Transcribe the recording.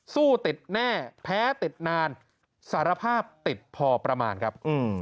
สู้ติดแน่แพ้ติดนานสารภาพติดพอประมาณครับ